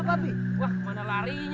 iya ini berhasil mooi sih